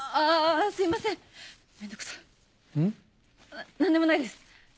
な何でもないです！